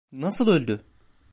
Nasıl öldü?